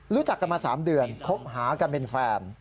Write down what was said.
รู้จักกันมา๓เดือนคบหากันเป็นแฟน